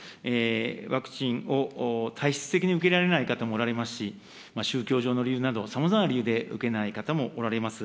ワクチンを体質的に受けられない方もおられますし、宗教上の理由など、さまざまな理由で受けない方もおられます。